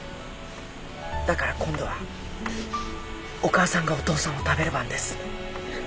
だから今度はお母さんがお父さんを食べる番です。